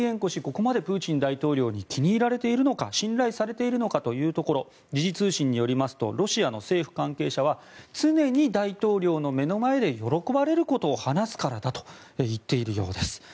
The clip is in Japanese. ここまでプーチン大統領に気に入られているのか信頼されているのかというところ時事通信によりますとロシアの政府関係者は常に大統領の目の前で喜ばれることを話すからだと言っているようです。